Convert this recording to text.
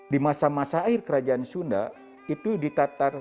di masa masa akhir kerajaan sunda